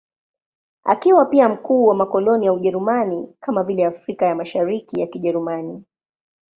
Akiwa pia mkuu wa makoloni ya Ujerumani, kama vile Afrika ya Mashariki ya Kijerumani.